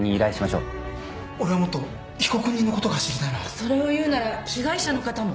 それをいうなら被害者の方も。